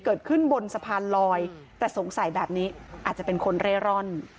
เกิดขึ้นบนสะพานลอยแต่สงสัยแบบนี้อาจจะเป็นคนเร่ร่อน